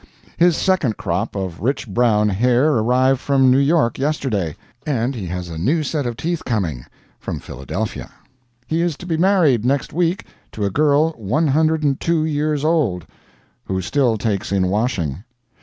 His "second crop" of rich brown hair arrived from New York yesterday, and he has a new set of teeth coming from Philadelphia. He is to be married next week to a girl one hundred and two years old, who still takes in washing.